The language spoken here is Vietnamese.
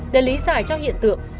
để lý giải cho hiện tượng